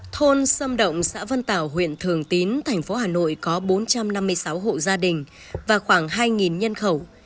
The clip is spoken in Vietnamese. thôn sâm động xã vân tảo huyện thường tín thành phố hà nội có bốn trăm năm mươi sáu hộ gia đình và khoảng hai nhân khẩu